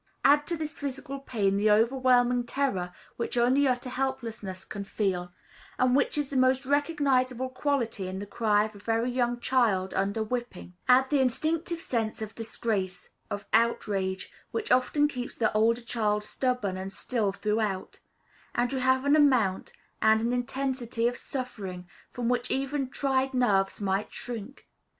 Add to this physical pain the overwhelming terror which only utter helplessness can feel, and which is the most recognizable quality in the cry of a very young child under whipping; add the instinctive sense of disgrace, of outrage, which often keeps the older child stubborn and still through out, and you have an amount and an intensity of suffering from which even tried nerves might shrink.